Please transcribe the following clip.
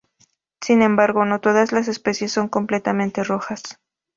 Sin embargo, no todas las especies son completamente rojas.